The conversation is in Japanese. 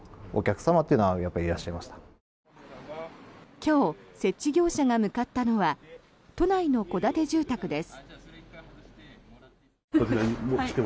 今日、設置業者が向かったのは都内の戸建て住宅です。